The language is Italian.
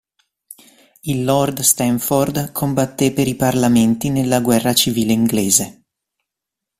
Il Lord Stamford combatté per i parlamenti nella guerra civile inglese.